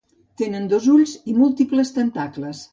Tenen dos ulls i múltiples tentacles.